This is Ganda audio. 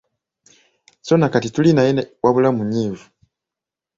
So na kati tuli naye wabula munyiivu.